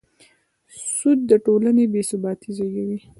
سود د ټولنې بېثباتي زېږوي.